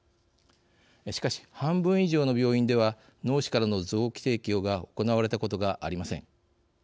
しかし、半分以上の病院では脳死からの臓器提供が行われたことがありません。